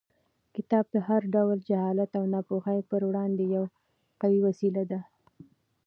کتاب د هر ډول جهالت او ناپوهۍ پر وړاندې یوه قوي وسله ده.